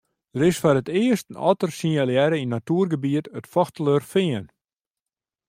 Der is foar it earst in otter sinjalearre yn natuergebiet it Fochtelerfean.